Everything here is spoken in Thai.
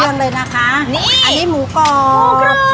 เครื่องเลยนะคะอันนี้หมูกรอบ